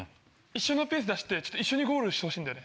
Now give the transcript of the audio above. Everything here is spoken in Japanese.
一緒のペースで走って一緒にゴールしてほしいんだよね。